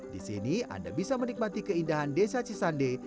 di sini anda bisa menikmati keindahan desa cisande